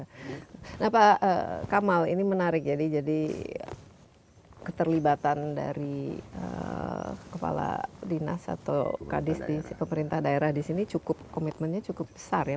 nah pak kamal ini menarik jadi keterlibatan dari kepala dinas atau kadis di pemerintah daerah di sini cukup komitmennya cukup besar ya